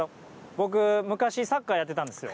僕、昔サッカーやってたんですよ。